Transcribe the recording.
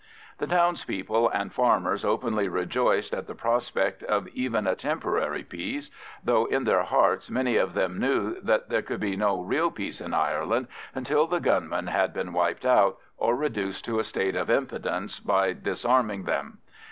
The townspeople and farmers openly rejoiced at the prospect of even a temporary peace, though in their hearts many of them knew that there could be no real peace in Ireland until the gunmen had been wiped out or reduced to a state of impotence by disarming them.